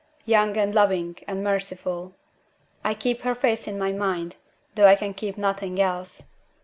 Young and loving and merciful. I keep her face in my mind, though I can keep nothing else.